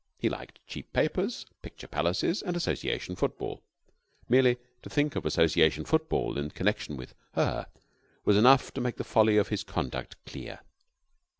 He liked cheap papers, picture palaces, and Association football. Merely to think of Association football in connection with her was enough to make the folly of his conduct clear.